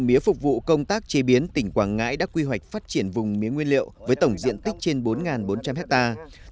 mía phục vụ công tác chế biến tỉnh quảng ngãi đã quy hoạch phát triển vùng mía nguyên liệu với tổng diện tích trên bốn bốn trăm linh hectare